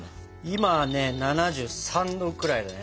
今ね７３℃くらいだね。